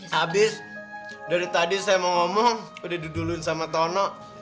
habis dari tadi saya mau ngomong udah diduluin sama tono